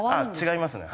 違いますね。